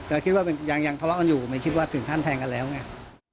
แต่คิดว่าเป็นยังยังทะเลาะอยู่ไม่คิดว่าถึงท่านแทงกันแล้วไง